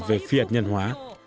về phi hạt nhân hóa